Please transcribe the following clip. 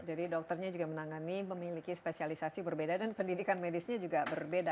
jadi dokternya juga menangani memiliki spesialisasi berbeda dan pendidikan medisnya juga berbeda